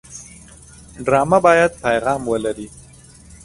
ډرامه باید پیغام ولري